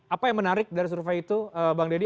apa yang menarik dari survei itu bang deddy